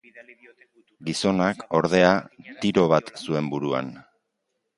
Gizonak, ordea, tiro bat zuen buruan.